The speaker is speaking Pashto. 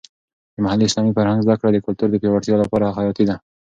د محلي اسلامي فرهنګ زده کړه د کلتور د پیاوړتیا لپاره حیاتي ده.